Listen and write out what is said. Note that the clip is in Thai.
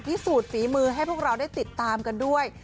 สูจนฝีมือให้พวกเราได้ติดตามกันด้วย